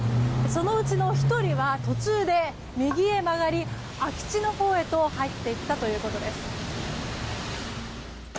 そのうちの１人は途中で右へ曲がり空き地のほうへと入っていったということです。